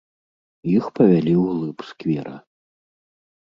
Іх павялі ўглыб сквера.